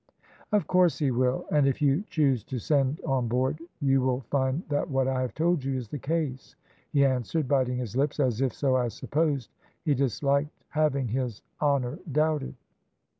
"`Of course he will, and if you choose to send on board you will find that what I have told you is the case,' he answered, biting his lips, as if, so I supposed, he disliked having his honour doubted.